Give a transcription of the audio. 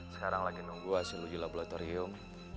sekarang lagi nunggu hasil uji laboratorium